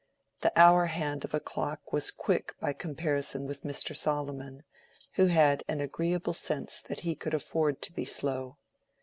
The hour hand of a clock was quick by comparison with Mr. Solomon, who had an agreeable sense that he could afford to be slow.